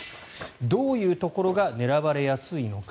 どういうところが狙われやすいのか。